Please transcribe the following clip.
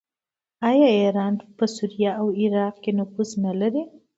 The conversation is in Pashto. آیا ایران په سوریه او عراق کې نفوذ نلري؟